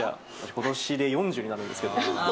ことしで４０になるんですけど。